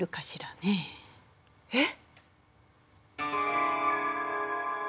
えっ？